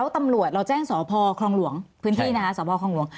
ตำรวจเราแจ้งสพคลองหลวงพื้นที่นะคะสพคลองหลวง